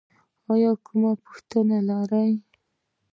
ایا کومه پوښتنه لرئ؟